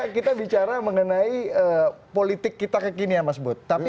kita bicara mengenai politik kita kekinian mas bud